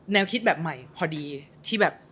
แนวคิดแบบใหม่พอดีที่แบบ